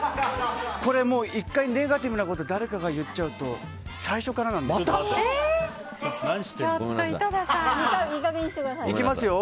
これもう１回ネガティブなこと誰かが言っちゃうと最初からなんですよ。